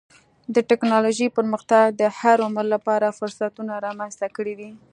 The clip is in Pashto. د ټکنالوجۍ پرمختګ د هر عمر لپاره فرصتونه رامنځته کړي دي.